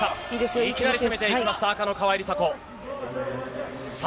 いきなり攻めていきました、赤の川井梨紗子。